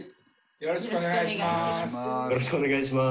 よろしくお願いします。